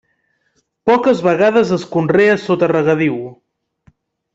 Poques vegades es conrea sota regadiu.